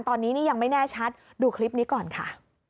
ตอนนี้นี่ยังไม่แน่ชัดดูคลิปนี้ก่อนค่ะ